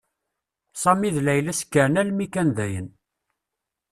Sami d Layla sekren almi kan dayen.